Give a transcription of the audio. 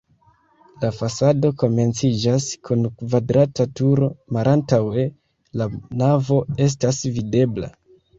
La fasado komenciĝas kun kvadrata turo, malantaŭe la navo estas videbla.